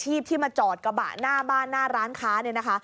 เห็นไหมเบอร์โทรศัพท์ที่ทรง